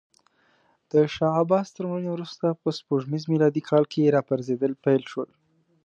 د شاه عباس تر مړینې وروسته په سپوږمیز میلادي کال کې راپرزېدل پیل شول.